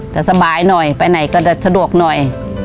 แต่สบายหน่อยไปไหนก็จะสะดวกหน่อย